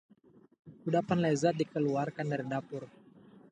Kudapan lezat dikeluarkan dari dapur